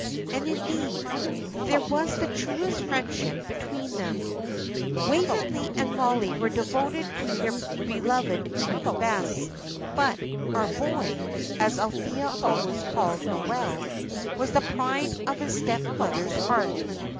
And, indeed, there was the truest friendship between them. Waveney and Mollie were devoted to their beloved Queen Bess, but "our boy," as Althea always called Noel, was the pride of his stepmother's heart.